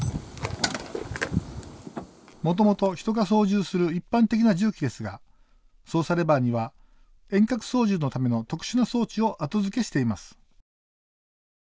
もともと人が操縦する一般的な重機ですが操作レバーには遠隔操縦のための特殊な装置を後付けしています。